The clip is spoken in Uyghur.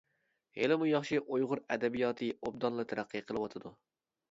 ھېلىمۇ ياخشى ئۇيغۇر ئەدەبىياتى ئوبدانلا تەرەققىي قىلىۋاتىدۇ.